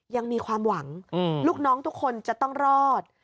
ยังมีความหวังลูกน้องทุกคนจะต้องรอด